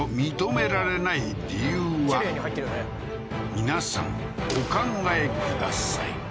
皆さんお考えください